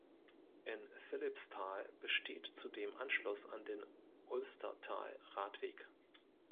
In Philippsthal besteht zudem Anschluss an den Ulstertal-Radweg.